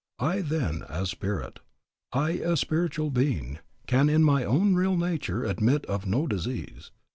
I then as spirit, I a spiritual being, can in my own real nature admit of no disease.